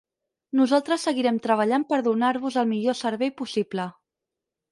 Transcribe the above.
Nosaltres seguirem treballant per donar-vos el millor servei possible.